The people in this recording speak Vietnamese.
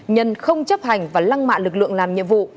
nhân không chấp hành và lăng mạ lực lượng làm nhiệm vụ